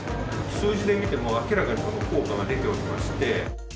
数字で見ても明らかに効果が出ておりまして。